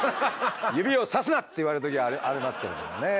「指をさすな」って言われる時ありますけれどもね。